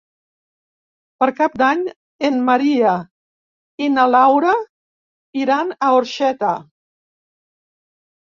Per Cap d'Any en Maria i na Laura iran a Orxeta.